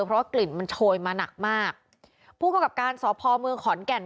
เพราะว่ากลิ่นมันโชยมาหนักมากผู้กำกับการสพเมืองขอนแก่น